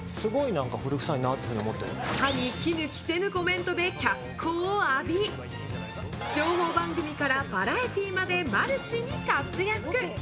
歯に衣着せぬコメントで脚光を浴び情報番組からバラエティーまでマルチに活躍。